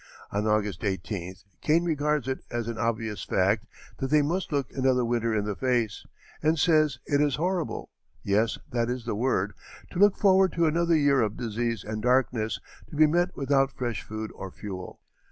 On August 18th Kane regards it as an obvious fact that they must look another winter in the face, and says: "It is horrible yes, that is the word to look forward to another year of disease and darkness to be met without fresh food or fuel.